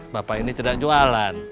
bapak ini tidak jualan